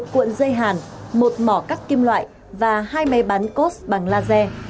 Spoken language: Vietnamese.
một cuộn dây hàn một mỏ cắt kim loại và hai máy bán cost bằng laser